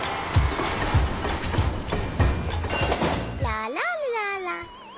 「ララララー」